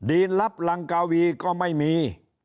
นลับรังกาวีก็ไม่มี